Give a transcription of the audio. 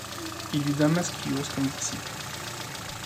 Il eut Damascios comme disciple.